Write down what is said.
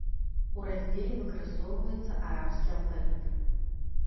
У раздзеле выкарыстоўваецца арабскі алфавіт.